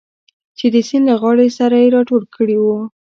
چې د سیند له غاړې سره یې راټول کړي و.